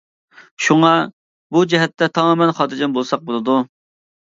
شۇڭا بۇ جەھەتتە تامامەن خاتىرجەم بولساق بولىدۇ.